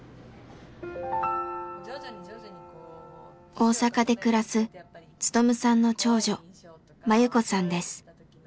大阪で暮らす勉さんの長女真由子さんです。